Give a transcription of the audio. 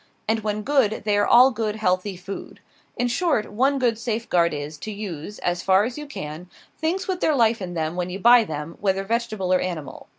and when good, they are all good healthy food. In short, one good safeguard is, to use, as far as you can, things with their life in them when you buy them, whether vegetable or animal.